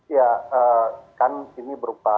ya kan ini berupa